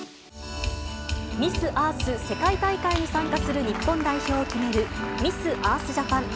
ミス・アース世界大会に参加する日本代表を決めるミス・アース・ジャパン。